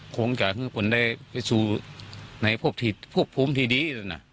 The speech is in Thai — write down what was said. คงจะคือคนได้ไปสู่ในพวกพุมที่ดีน่ะ